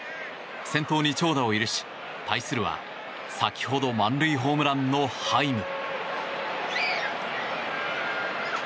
先頭に長打を許し、対するは先ほど満塁ホームランのハイム。